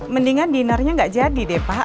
mendingan dinernya gak jadi deh pak